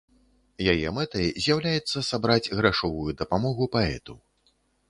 Яе мэтай з'яўляецца сабраць грашовую дапамогу паэту.